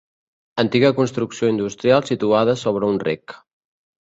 Antiga construcció industrial situada sobre un rec.